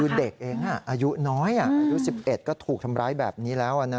คือเด็กเองอายุน้อยอายุ๑๑ก็ถูกทำร้ายแบบนี้แล้วนะ